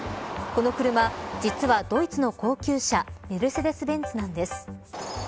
この車、実はドイツの高級車メルセデス・ベンツなんです。